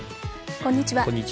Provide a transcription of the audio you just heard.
こんにちは。